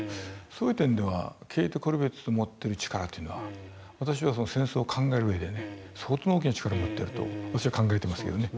そういう点ではケーテ・コルヴィッツの持ってる力というのは私は戦争を考える上で相当な大きな力になってると私は考えてますけどね。